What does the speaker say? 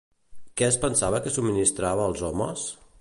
Què es pensava que subministrava als homes?